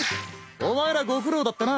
お前らご苦労だったな。